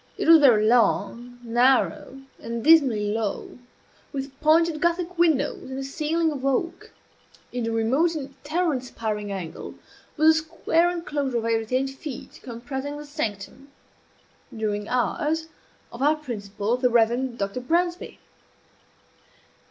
It was very long, narrow, and dismally low, with pointed Gothic windows and a ceiling of oak. In a remote and terror inspiring angle was a square enclosure of eight or ten feet, comprising the sanctum, "during hours," of our principal, the Reverend Dr. Bransby.